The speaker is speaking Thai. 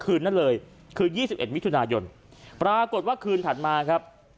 คืนนั้นเลยคือ๒๑มิถุนายนปรากฏว่าคืนถัดมาครับ